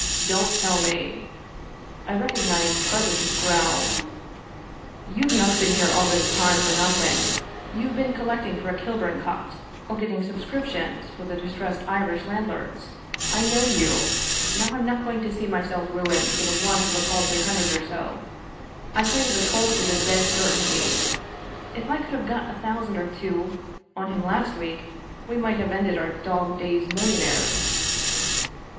" Don't tell me," I recognized Carwitchet's growl. " You've not been here all this time for nothing. You've been collecting for a Kilbum cot or getting subscriptions 28l English Mystery Stories for the distressed Irish landlords. I know you. Now I'm not going to see myself ruined for the want of a paltry hundred or so. I tell you the colt is a dead certainty. If I could have got a thousand or two on him last week, we might have ended our dog days millionaires.